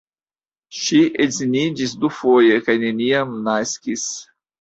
Ŝi edziniĝis dufoje kaj neniam naskis.